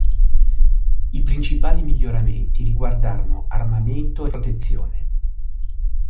I principali miglioramenti riguardarono armamento e protezione.